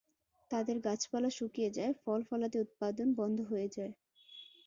তাদের গাছপালা শুকিয়ে যায়, ফল-ফলাদি উৎপাদন বন্ধ হয়ে যায়।